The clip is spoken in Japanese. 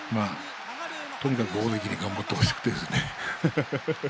とにかく大関に頑張ってほしくてですね。